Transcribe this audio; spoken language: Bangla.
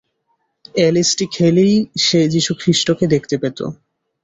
এলএসডি খেলেই সে যিশুখ্রিষ্টকে দেখতে পেত।